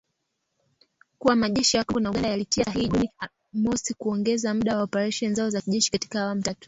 kuwa majeshi ya Kongo na Uganda yalitia sahihi Juni mosi kuongeza muda wa operesheni zao za kijeshi katika awamu ya tatu